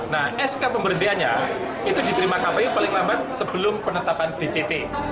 nah sk pemberhentiannya itu diterima kpu paling lambat sebelum penetapan dct